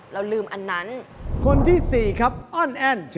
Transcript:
เราลืมอันนั้น